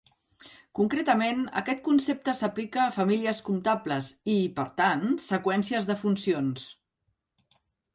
Concretament, aquest concepte s'aplica a famílies comptables, i, per tant, seqüències de funcions.